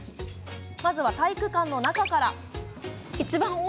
まずは、体育館の中から。